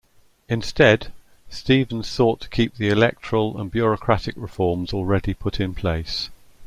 Instead, Stephens sought to keep the electoral and bureaucratic reforms already put in place.